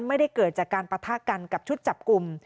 ไม่ได้เกิดจากการปะทะกันกับชุดจับกลุ่ม